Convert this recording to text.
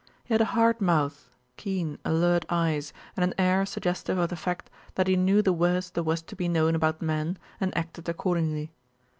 He had a hard mouth, keen, alert eyes, and an air suggestive of the fact that he knew the worst there was to be known about men and acted accordingly.